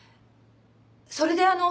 それであの。